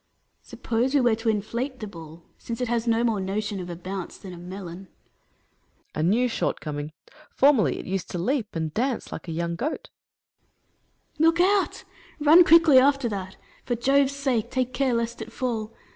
Atlas. Suppose we were to inflate the ball, since it has no more notion of a bounce than a melon. Hercules. A new shortcoming ! Formerly it used to leap and dance like a young goat. Atlas. Look out ! Eun quickly after that. For Jove's sake, take care lest it fall